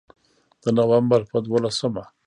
د نومبر په دولسمه